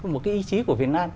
một cái ý chí của việt nam